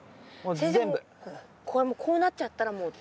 先生これこうなっちゃったらもう。